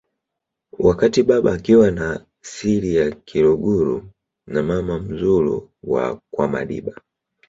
wakati baba akiwa na sili ya kiluguru na mama mzulu wa kwamadiba